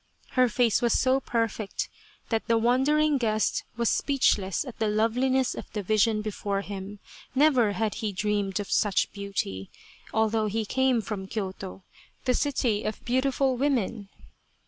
Her face was so perfect 246 A Cherry Flower Idyll that the wondering guest was speechless at the love liness of the vision before him. Never had he dreamed of such beauty, although he came from Kyoto, the city of beautiful women.